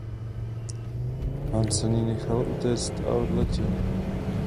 Hansen jí nechal utéct a odletěl.